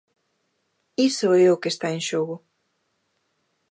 Iso é o que está en xogo.